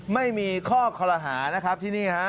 ไม่มีข้อคอลหานะครับที่นี่ฮะ